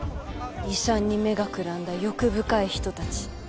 遺産に目がくらんだ欲深い人たち。